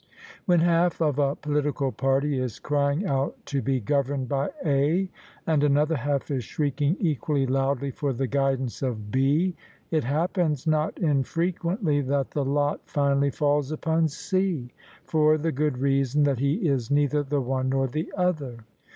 When half of a political party is crying out to be governed by A., and another half is shrieking equally loudly for the guidance of B., it happens not infre quently that the lot finally falls upon C, for the good reason that he is neither the one nor the other.